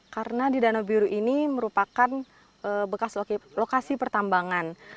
karena di danau biro ini merupakan bekas lokasi pertambangan